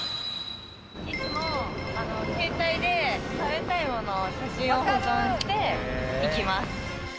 いつも携帯で食べたいものの写真を保存して行きます。